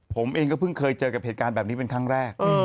ผมเองก็เพิ่งเคยเจอกับเหตุการณ์แบบนี้เป็นครั้งแรก